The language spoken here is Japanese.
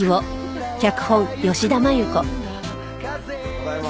ただいま。